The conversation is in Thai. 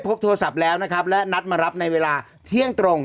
พบโทรศัพท์แล้วนะครับและนัดมารับในเวลาเที่ยงตรง